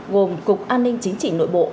gồm cục an ninh chính trị nội bộ